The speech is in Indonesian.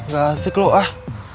gak asik lu ah